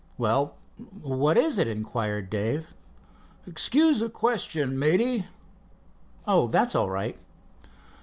"Well, what is it?" inquired Dave. "Excuse a question, matey?" "Oh, that's all right."